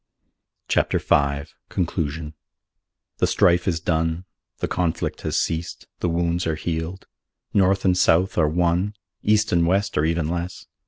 CHAPTER V CONCLUSION The strife is done. The conflict has ceased. The wounds are healed. North and South are one. East and West are even less.